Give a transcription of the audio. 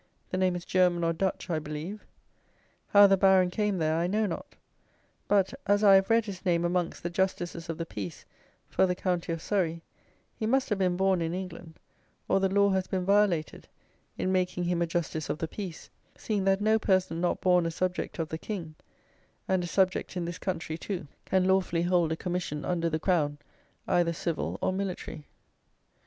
The name is German or Dutch, I believe. How the Baron came there I know not; but as I have read his name amongst the Justices of the Peace for the county of Surrey, he must have been born in England, or the law has been violated in making him a Justice of the Peace, seeing that no person not born a subject of the king, and a subject in this country too, can lawfully hold a commission under the crown, either civil or military.